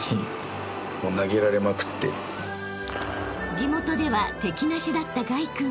［地元では敵なしだった凱君］